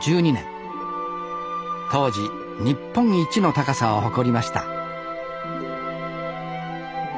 当時日本一の高さを誇りました